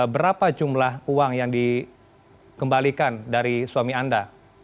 berapa jumlah uang yang dikembalikan dari suami anda